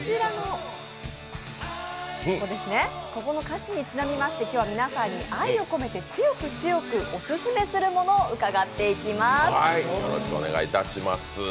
この歌詞にちなみまして、今日は皆さんに強く強くオススメするものを伺っていきます。